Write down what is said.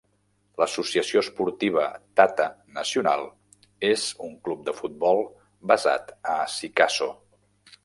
L'Associació Esportiva Tata Nacional és un club de futbol basat a Sikasso.